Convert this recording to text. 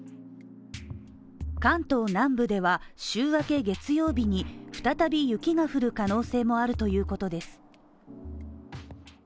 関東南部では週明け月曜日に再び雪の降る可能性もあるということです